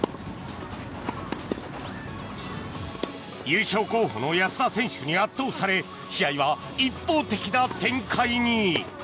優勝候補の安田選手に圧倒され試合は一方的な展開に。